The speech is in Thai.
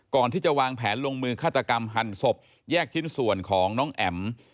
ก่อนที่จะวางแผนลงมือฆาตกรรมหั่นศพแยกชิ้นส่วนของน้องแอ๋ม